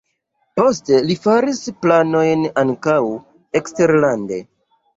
Poste li faris planojn ankaŭ eksterlande.